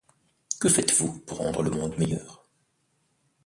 Que faites-vous pour rendre le monde meilleur ?